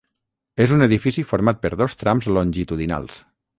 És un edifici format per dos trams longitudinals.